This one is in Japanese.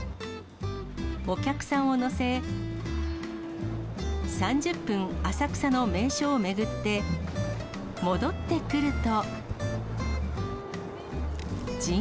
お客さんを乗せ、３０分、浅草の名所を巡って戻ってくると。